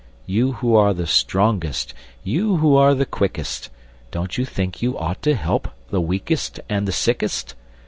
You who are the strongest, You who are the quickest, Don't you think you ought to help The weakest and the sickest?